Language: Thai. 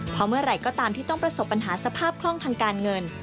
เพราะเมื่อไหร่ก็ตามที่ต้องประสบปัญหาสภาพคล่องทางการเงิน